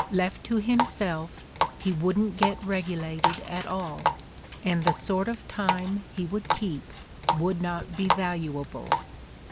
Left to him self, he wouldn't get regulated at all, and the sort of time he would keep would not be valuable."